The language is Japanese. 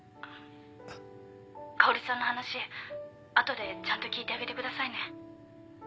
薫ちゃんの話後でちゃんと聞いてあげてくださいね。